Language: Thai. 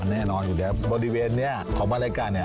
แน่นอนอยู่แล้วบริเวณนี้ของมารายการเนี่ย